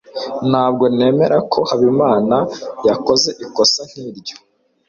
Ntabwo nemera ko Habimana yakoze ikosa nkiryo.